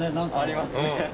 ありますね。